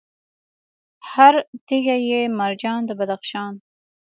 هر تیږه یې مرجان د بدخشان